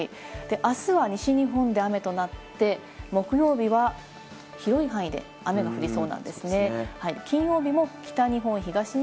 あすは西日本で雨となって木曜日は広い範囲で雨が降りそうなんですね。